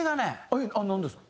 えっなんですか？